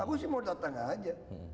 aku sih mau datang aja